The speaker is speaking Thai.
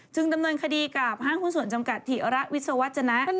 ดำเนินคดีกับห้างหุ้นส่วนจำกัดถิระวิศวัจนะ